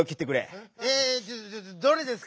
えっちょっとどれですか？